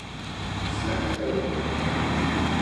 Slægt havde hun dog